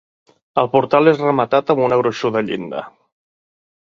El portal és rematat amb una gruixuda llinda.